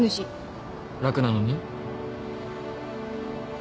楽なのに？